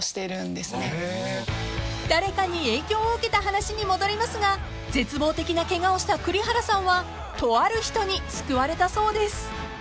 ［誰かに影響を受けた話に戻りますが絶望的なケガをした栗原さんはとある人に救われたそうです］